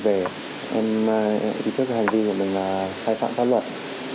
em ý thức hành vi của mình là sai phạm pháp luật